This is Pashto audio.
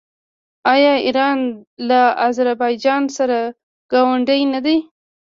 آیا ایران له اذربایجان سره ګاونډی نه دی؟